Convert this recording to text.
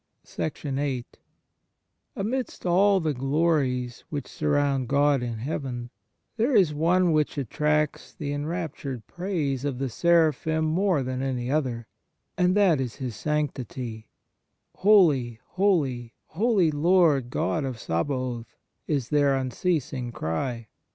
viii AMIDST all the glories which sur round God in heaven, there is one which attracts the enraptured praise of the seraphim more than any other, and that is His sanctity: " Holy, holy, holy, Lord God of Sabaoth," is their unceasing cry.